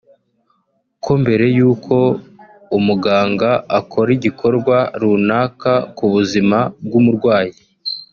ko mbere y’uko umuganga akora igikorwa runaka ku buzima bw’umurwayi